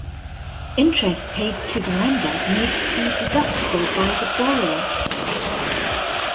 Interest paid to the lender may be deductible by the borrower.